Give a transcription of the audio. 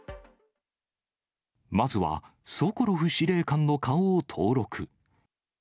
まずは、ソコロフ司令官の顔を登録。